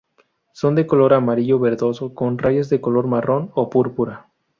Son de color amarillo verdoso con rayas de color marrón o púrpura.